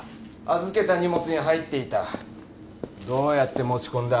預けた荷物に入っていたどうやって持ち込んだ？